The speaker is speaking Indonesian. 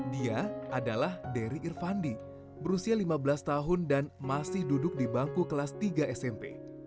dia adalah dery irvandi berusia lima belas tahun dan masih duduk di bangku kelas tiga smp